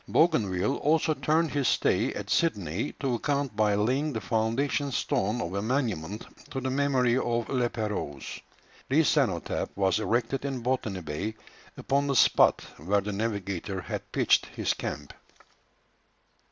Bougainville also turned his stay at Sydney to account by laying the foundation stone of a monument to the memory of La Pérouse. This cenotaph was erected in Botany Bay, upon the spot where the navigator had pitched his camp.